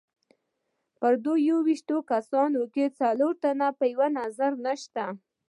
په دې یوویشتو کسانو کې څلور تنه په یوه نظر نسته.